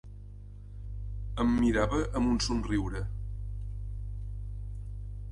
Em mirava amb un somriure.